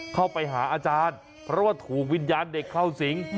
เข้าไปหาอาจารย์เพราะว่าถูกวิญญาณเด็กเข้าสิง